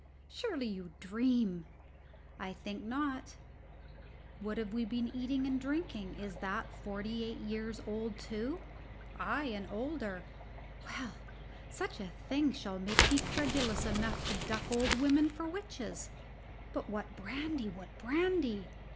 "Surely you dream?" "I think not." "What we have been eating and drinking is that forty eight years old, too?" "Ay, and older." "Well, such a thing shall make me credulous enough to duck old women for witches. But what brandy what brandy!